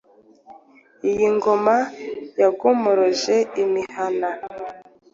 Iyi ngoma yagomoroje imihana.